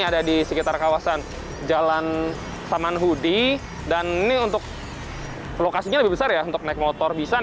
ada di sekitar kawasan jalan samanhudi dan ini untuk lokasinya lebih besar ya untuk naik motor bisa